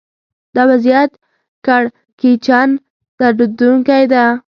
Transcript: دا وضعیت کړکېچن دردونکی و